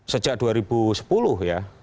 sejak dua ribu sepuluh ya